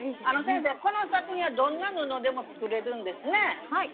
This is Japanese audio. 先生この作品はどんな布でも作れるんですね。